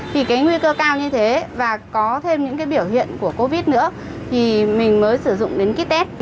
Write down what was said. vì cái nguy cơ cao như thế và có thêm những cái biểu hiện của covid nữa thì mình mới sử dụng đến ký test